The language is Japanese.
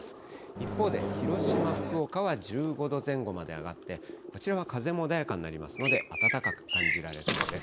一方で、広島、福岡は１５度前後まで上がって、こちらは風も穏やかになりますので、暖かく感じられそうです。